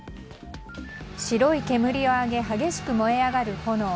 白い煙を上げ激しく燃え上がる炎。